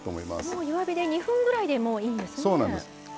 もう弱火で２分ぐらいでもういいんですね。